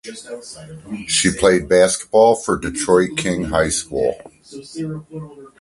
She played basketball for Detroit King High School.